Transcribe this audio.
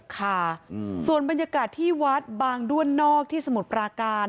ค่ะส่วนบรรยากาศที่วัดบางด้วนนอกที่สมุทรปราการ